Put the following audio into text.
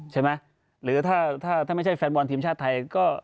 ใช่ไหมหรือถ้าไม่ใช่แฟนบอลทีมชาติไทย